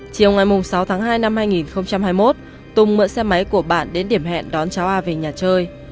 chiều ngày sáu tháng hai năm hai nghìn hai mươi một tùng mượn xe máy của bạn đến điểm hẹn đón cháu a về nhà chơi